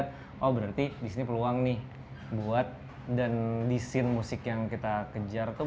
oh berarti disini peluang nih buat dan di scene musik yang kita kejar tuh